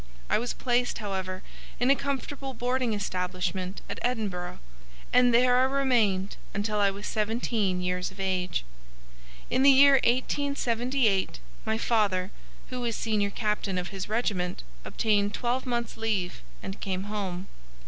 I was placed, however, in a comfortable boarding establishment at Edinburgh, and there I remained until I was seventeen years of age. In the year 1878 my father, who was senior captain of his regiment, obtained twelve months' leave and came home.